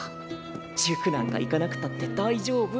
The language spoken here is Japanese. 塾なんか行かなくたって大丈夫。